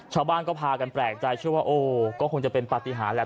ชาวบ้านก็พากันแปลกใจเชื่อว่าโอ้ก็คงจะเป็นปฏิหารแหละ